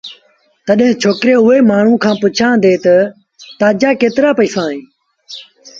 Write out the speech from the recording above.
تڏهيݩ ڇوڪري اُئي مآڻهوٚٚݩ کآݩ پُڇيآݩدي تا تآجآ ڪيترآ پيئيٚسآ اهيݩ